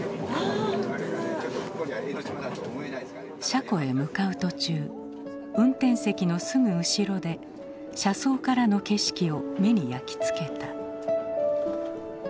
車庫へ向かう途中運転席のすぐ後ろで車窓からの景色を目に焼き付けた。